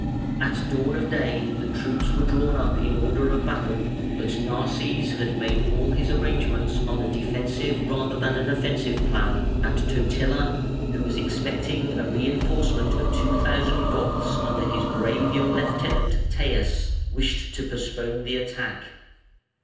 At dawn of day the troops were drawn up in order of battle, but Narses had made all his arrangements on a defensive rather than an offensive plan and Totila, who was expecting a reinforcement of two thousand Goths under his brave young lieutenant Teias, wished to postpone the attack.